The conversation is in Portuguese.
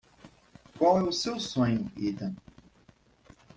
Qual é o seu sonho, Ethan?